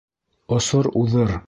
Осор уҙыр